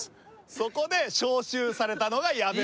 そこで招集されたのが矢部さん。